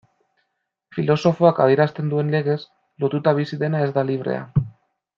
Filosofoak adierazten duen legez, lotuta bizi dena ez da librea.